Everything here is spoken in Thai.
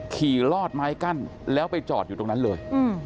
ลอดไม้กั้นแล้วไปจอดอยู่ตรงนั้นเลย